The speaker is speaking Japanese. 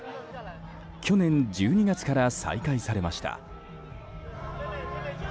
去年１２月から再開されました。